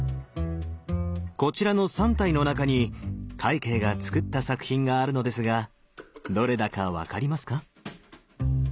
こちらの３体の中に快慶がつくった作品があるのですがどれだか分かりますか。